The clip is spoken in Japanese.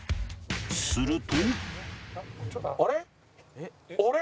すると